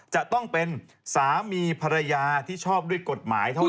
จะต้องเป็นสามีภรรยาที่ชอบด้วยกฎหมายเท่านั้น